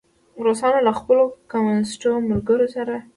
روسانو له خپلو کمونیسټو ملګرو سره.